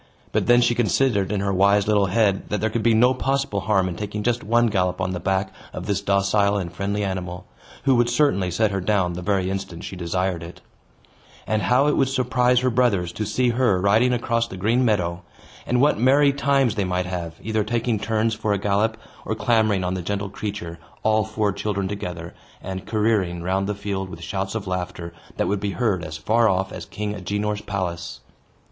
But then she considered in her wise little head that there could be no possible harm in taking just one gallop on the back of this docile and friendly animal, who would certainly set her down the very instant she desired it. And how it would surprise her brothers to see her riding across the green meadow! And what merry times they might have, either taking turns for a gallop, or clambering on the gentle creature, all four children together, and careering round the field with shouts of laughter that would be heard as far off as King Agenor's palace!